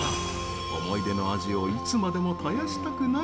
思い出の味をいつまでも絶やしたくない。